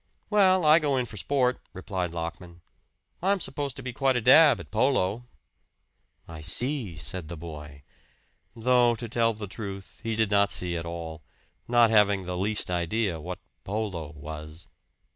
"Well, I go in for sport," replied Lockman. "I'm supposed to be quite a dab at polo." "I see," said the boy though to tell the truth he did not see at all, not having the least idea what polo was.